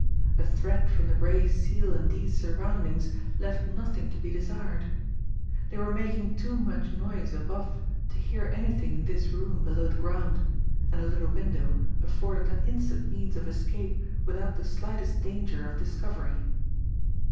A threat from the Gray Seal in these surroundings left nothing to be desired. They were making too much noise above to hear anything in this room below the ground, and the little window afforded an instant means of escape without the slightest danger of discovery.